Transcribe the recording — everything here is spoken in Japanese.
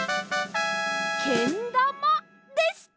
けんだまでした！